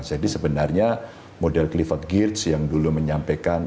jadi sebenarnya model clifford geertz yang dulu menyampaikan